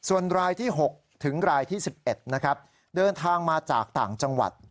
ส่วนรายที่๖ถึงรายที่๑๑นะครับเดินทางมาจากต่างจังหวัด